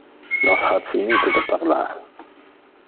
Nos ha finite de parlar.